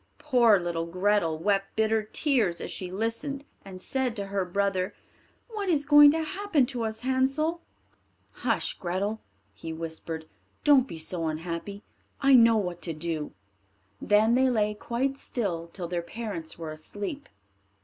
Poor little Grethel wept bitter tears as she listened, and said to her brother, "What is going to happen to us, Hansel?" "Hush, Grethel," he whispered, "don't be so unhappy; I know what to do." Then they lay quite still till their parents were asleep.